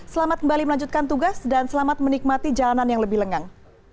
selamat kembali melanjutkan tugas dan selamat menikmati jalanan yang lebih lengang